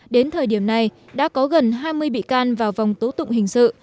đến thời điểm này đã có gần hai mươi bị can vào vòng tố tụng hình sự